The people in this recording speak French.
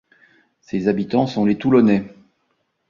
Ses habitants sont les Toulonnais.